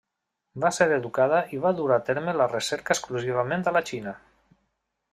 Va ser educada i va dur a terme la recerca exclusivament a la Xina.